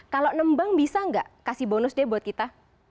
kalau nembang bisa nggak kasih bonus deh buat kita